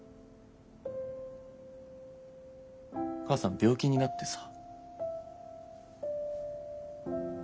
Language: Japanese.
母さん病気になってさ。